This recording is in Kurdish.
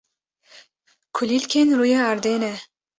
kulîlkên rûyê erde ne.